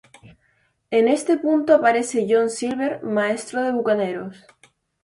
En este punto aparece John Silver, maestro de bucaneros.